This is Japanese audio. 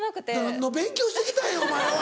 何の勉強して来たんやお前は。